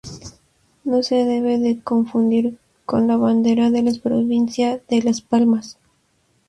No se debe de confundir con la bandera de la provincia de Las Palmas.